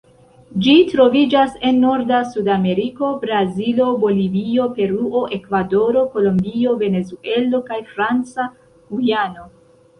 Ĝi troviĝas en norda Sudameriko: Brazilo, Bolivio, Peruo, Ekvadoro, Kolombio, Venezuelo, kaj Franca Gujano.